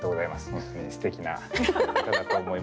本当にすてきな歌だと思います。